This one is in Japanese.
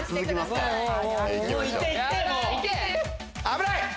危ない！